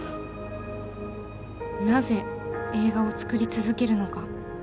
「なぜ映画をつくり続けるのか？」。